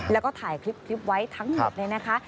แล้วก็ถ่ายคลิปไว้ทั้งหมดเลยนะคะ